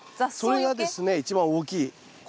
それがですね一番大きい効果です。